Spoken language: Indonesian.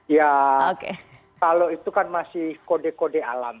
ya kalau itu kan masih kode kode alam